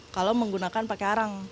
kalau menggunakan pakai arang